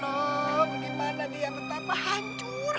bagaimana dia betapa hancur